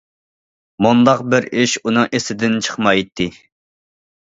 مۇنداق بىر ئىش ئۇنىڭ ئېسىدىن چىقمايتتى.